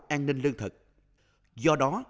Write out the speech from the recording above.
an ninh lương thực do đó